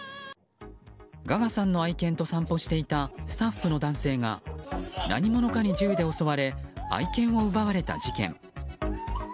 ガガさんの愛犬と散歩していたスタッフの男性が何者かに銃で襲われ愛犬を奪われた事件。